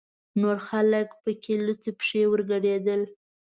نور خلک پکې لوڅې پښې ورګډېدل.